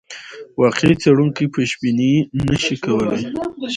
واقعي څېړونکی پیشبیني نه شي کولای.